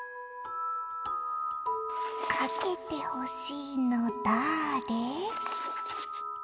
「かけてほしいのだあれ」